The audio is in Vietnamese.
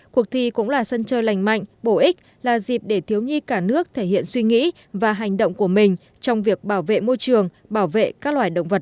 cuộc thi cũng là sân chơi lành mạnh bổ ích là dịp để thiếu nhi cả nước thể hiện suy nghĩ và hành động của mình trong việc bảo vệ môi trường bảo vệ các loài động vật